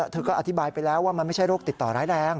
เธอก็อธิบายไปแล้วว่ามันไม่ใช่โรคติดต่อร้ายแรง